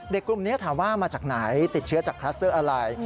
กลุ่มนี้ถามว่ามาจากไหนติดเชื้อจากคลัสเตอร์อะไร